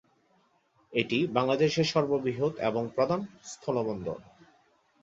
এটি বাংলাদেশের সর্ববৃহৎ এবং প্রধান স্থল বন্দর।